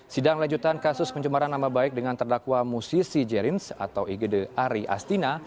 sidang lanjutan kasus pencemaran nama baik dengan terdakwa musisi jerings atau igd ari astina